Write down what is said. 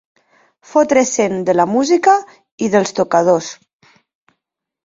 Fotre-se'n de la música i dels tocadors.